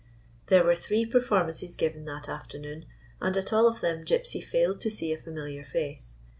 There were three performances given that afternoon, and at all of them Gypsy failed to see a familiar face.